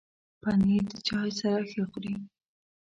پنېر د چای سره ښه خوري.